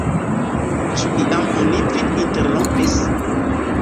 Ĉu iam oni vin interrompis?